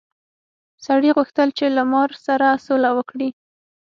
سړي غوښتل چې له مار سره سوله وکړي.